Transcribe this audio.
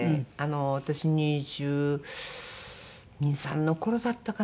私２２２３の頃だったかな？